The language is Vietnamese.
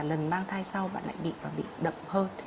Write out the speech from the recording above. lần mang thai sau bạn lại bị đậm hơn